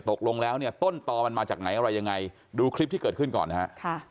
ตกลงแล้วเนี่ยต้นต่อมันมาจากไหนอะไรยังไงดูคลิปที่เกิดขึ้นก่อนนะฮะ